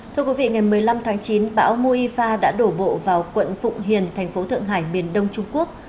thưa quý vị ngày một mươi năm tháng chín bão moifa đã đổ bộ vào quận phụng hiền thành phố thượng hải miền đông trung quốc